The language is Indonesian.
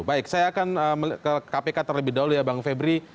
baik saya akan ke kpk terlebih dahulu ya bang febri